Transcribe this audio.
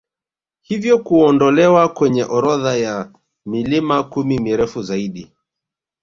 Hivyo kuondolewa kwenye orodha ya milima kumi mirefu zaidi